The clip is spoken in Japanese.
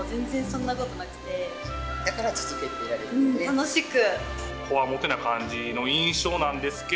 楽しく。